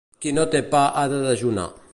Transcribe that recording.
Qui no té pa ha de dejunar.